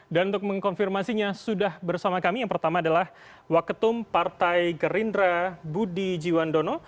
dan untuk mengkonfirmasinya sudah bersama kami yang pertama adalah wak ketum partai gerindra budi jiwandono